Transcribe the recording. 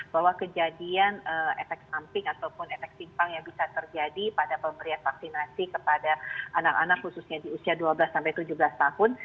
bahwa kejadian efek samping ataupun efek simpang yang bisa terjadi pada pemberian vaksinasi kepada anak anak khususnya di usia dua belas sampai tujuh belas tahun